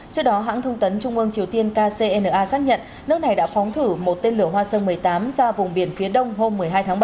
trước đó hãng thông tấn trung ương triều tiên kcna xác nhận nước này đã phóng thử một tên lửa hoa sơn một mươi tám ra vùng biển phía đông hôm một mươi hai tháng bảy